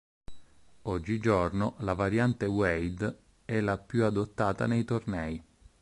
Oggigiorno la variante Wade è la più adottata nei tornei.